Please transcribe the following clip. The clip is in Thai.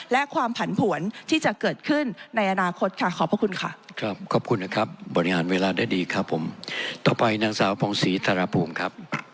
และความผันผวนที่จะเกิดขึ้นในอนาคตค่ะขอบพระคุณค่ะ